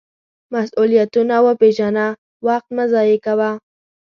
مسؤلیتونه وپیژنه، وخت مه ضایغه کوه.